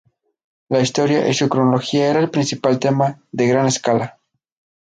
La Historia y su cronología era el principal tema de Gran Scala.